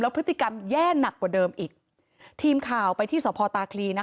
พฤติกรรมแย่หนักกว่าเดิมอีกทีมข่าวไปที่สพตาคลีนะคะ